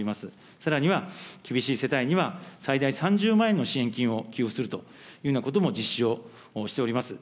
さらには厳しい世帯には、最大３０万円の支援金を給付するというようなことも、実施をしております。